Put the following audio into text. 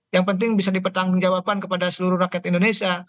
yang penting bisa dipertanggungjawabkan kepada seluruh rakyat indonesia